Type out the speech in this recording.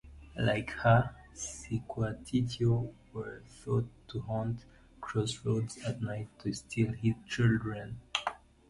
Like her, the Cihuateteo were thought to haunt crossroads at night to steal children.